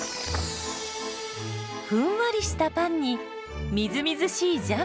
ふんわりしたパンにみずみずしいジャム。